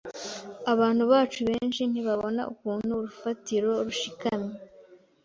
Abantu bacu benshi ntibabona ukuntu urufatiro rushikamye .